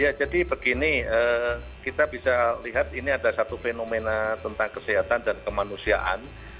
ya jadi begini kita bisa lihat ini ada satu fenomena tentang kesehatan dan kemanusiaan